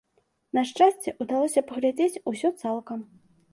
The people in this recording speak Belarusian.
На шчасце, удалося паглядзець усё цалкам.